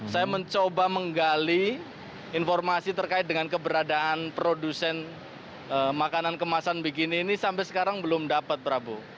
saya mencoba menggali informasi terkait dengan keberadaan produsen makanan kemasan begini ini sampai sekarang belum dapat prabu